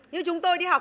như chúng tôi đi học